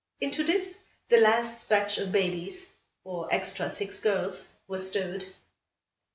Into this, the last batch of babies, or extra six girls, were stowed.